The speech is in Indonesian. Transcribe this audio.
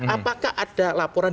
apakah ada laporan